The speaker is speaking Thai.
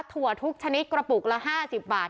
ถั่วทุกชนิดกระปุกละ๕๐บาท